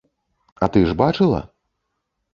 А ты ж бачыла?